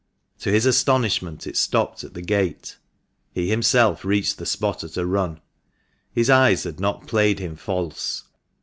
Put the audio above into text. To his astonishment it stopped at the gate. He himself reached the spot at a run. His eyes had not played him false.